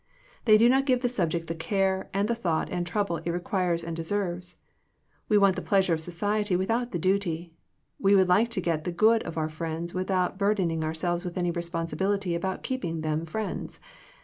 They do not give the subject the care, and thought, and trouble, it requires and de« serves. We want the pleasure of society, without the duty. We would like to get the good of our friends, without burden ing ourselves with any responsibility about keeping them friends.